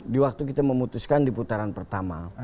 di waktu kita memutuskan di putaran pertama